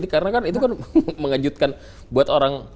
karena kan itu kan mengejutkan buat orang